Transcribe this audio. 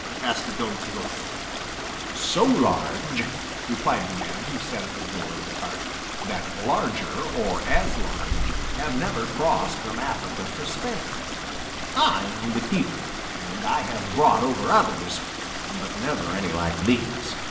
asked Don Quixote. "So large," replied the man who sat at the door of the cart, "that larger, or as large, have never crossed from Africa to Spain; I am the keeper, and I have brought over others, but never any like these.